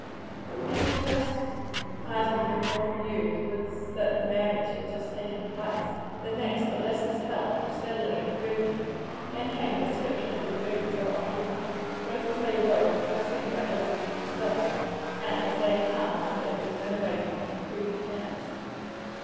Edward's first item of news was that the marriage had just taken place; the next that Lester's health was steadily improving. Then came a description of the rooms they were occupying; both as they were when first seen by Elsie and himself and as they had become under his renovating and improving hands.